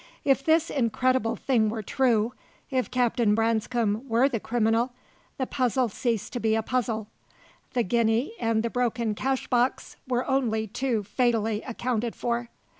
If this incredible thing were true if Captain Branscome were the criminal the puzzle ceased to be a puzzle; the guinea and the broken cashbox were only too fatally accounted for.